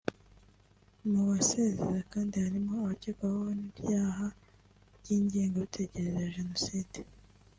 Mu basezera kandi harimo abakekwaho n’ibyaha by’ingengabitekerezo ya Jenoside